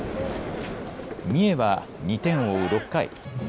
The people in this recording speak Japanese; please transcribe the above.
三重は２点を追う６回。